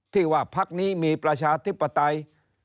ที่ว่าพักนี้มีประชาธิปไตย